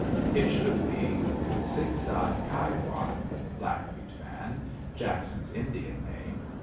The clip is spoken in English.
It should be Sik si kai´ kwan (Blackfeet Man), Jackson's Indian name.